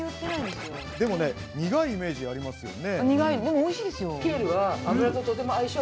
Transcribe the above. でも、苦いイメージありますよね。